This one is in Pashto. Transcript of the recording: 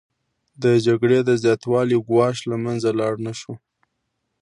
د جګړې د زیاتوالي ګواښ له منځه لاړ نشو